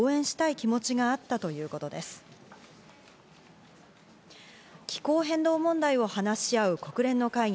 気候変動問題を話し合う国連の会議